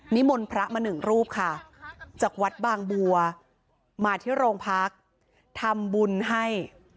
มนต์พระมาหนึ่งรูปค่ะจากวัดบางบัวมาที่โรงพักทำบุญให้